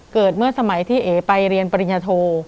เมื่อสมัยที่เอ๋ไปเรียนปริญญาโท